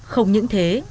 không những thế